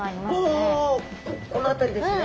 おおこの辺りですね。